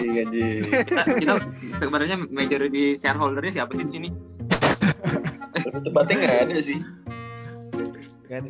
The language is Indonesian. kita kemarinnya majoriti shareholdernya siapa disini